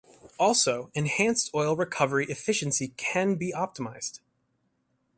Also enhanced oil recovery efficiency can be optimized.